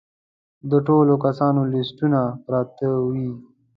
د ټولو کسانو لیستونه پراته وي.